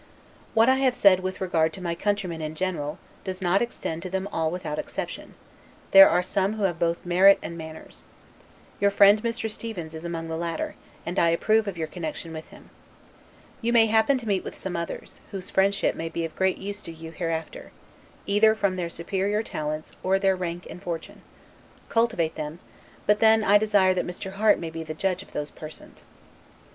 What I have said with regard to my countrymen in general, does not extend to them all without exception; there are some who have both merit and manners. Your friend, Mr. Stevens, is among the latter; and I approve of your connection with him. You may happen to meet with some others, whose friendship may be of great use to you hereafter, either from their superior talents, or their rank and fortune; cultivate them; but then I desire that Mr. Harte may be the judge of those persons.